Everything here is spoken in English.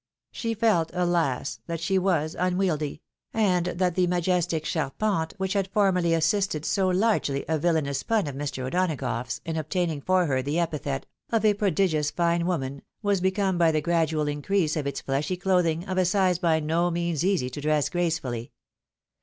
She felt, alas I that she was unwieldy ; and that the majestic cMrpenie, which had formerly assisted so largely (a villainous pun of Mr. O'Donagough's) in obtaining for her the epithet of " a prodigious fine woman," was become by the gra dual increase of its fleshy clothing of a size by no means easy to dress gracefully.